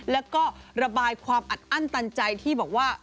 แล้วก็ระบายความอัดอั้นตันใจที่บอกว่า